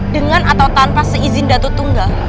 dengan atau tanpa seizin datu tunggal